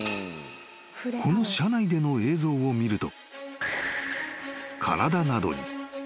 ［この車内での映像を見ると］